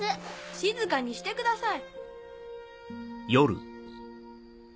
静かにしてください。